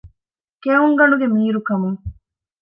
ކެއުންގަނޑުގެ މީރު ކަމުން